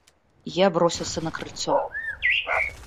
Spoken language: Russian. Я бросился на крыльцо.